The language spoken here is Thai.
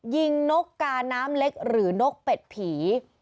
นกกาน้ำเล็กหรือนกเป็ดผี